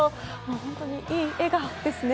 本当にいい笑顔ですね。